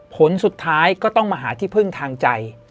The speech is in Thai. ผลสุดท้ายก็ต้องมาหาที่พึ่งทางใจ